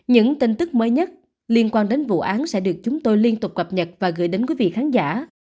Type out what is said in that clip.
những tin tức mới nhất liên quan đến vụ án sẽ được chúng tôi liên tục cập nhật và gửi đến quý vị khán giả